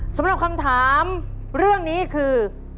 สำหรับคำถามเรื่องนี้คือ